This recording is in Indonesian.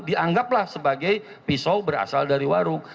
dianggaplah sebagai pisau berasal dari warung